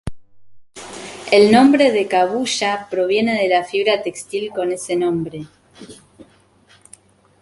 El nombre de Cabuya proviene de la fibra textil con ese nombre.